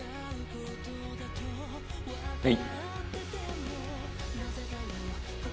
はい。